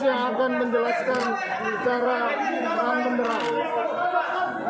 yang akan menjelaskan secara terang benerang